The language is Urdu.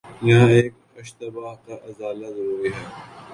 یہاں ایک اشتباہ کا ازالہ ضروری ہے۔